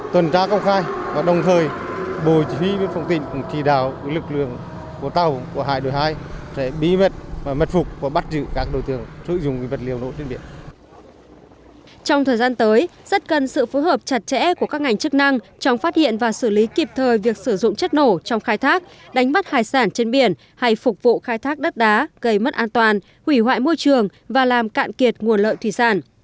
trong thời gian tới rất cần sự phối hợp chặt chẽ của các ngành chức năng trong phát hiện và xử lý kịp thời việc sử dụng chất nổ trong khai thác đánh bắt hải sản trên biển hay phục vụ khai thác đất đá gây mất an toàn hủy hoại môi trường và làm cạn kiệt nguồn lợi thủy sản